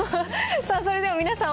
さあ、それでは皆さん